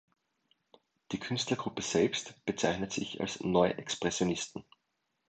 Die Künstlergruppe selbst bezeichnete sich als „Neu-Expressionisten“.